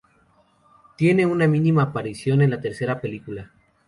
Tiene una mínima aparición en la tercera película.